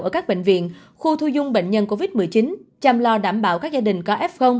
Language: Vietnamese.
ở các bệnh viện khu thu dung bệnh nhân covid một mươi chín chăm lo đảm bảo các gia đình có f